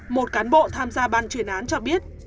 một cán bộ tham gia ban chuyên án cho biết